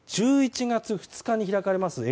１１月２日に開かれます